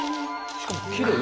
しかもきれい。